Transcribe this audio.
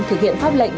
thực hiện pháp lệnh